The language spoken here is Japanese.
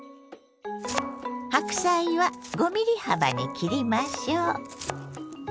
白菜は５ｍｍ幅に切りましょう。